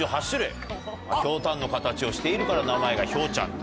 ひょうたんの形をしているから名前がひょうちゃんと。